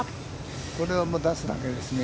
これは出すだけですね。